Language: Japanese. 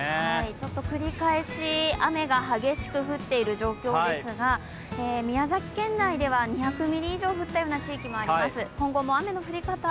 ちょっと繰り返し雨が激しく降っている状況ですが、宮崎県内では２００ミリ以上降った地域もあります